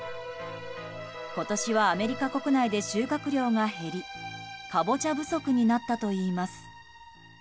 今年はアメリカ国内で収穫量が減りカボチャ不足になったといいます。